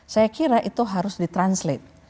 saya kira itu harus di translate